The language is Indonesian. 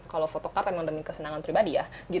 kalau photocard emang demi kesenangan pribadi ya